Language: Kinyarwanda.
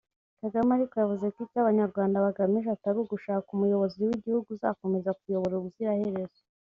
Kagame ariko yavuze ko icyo abanyarwanda bagamije atari ugushaka umuyobozi w’igihugu uzakomeza kuyobora ubuzira herezo